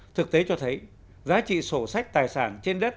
thực tế cho thấy giá trị sổ sách tài sản trên đất